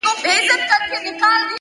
• ځوان له ډيري ژړا وروسته څخه ريږدي ـ